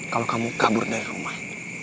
kalau kamu kabur dari rumah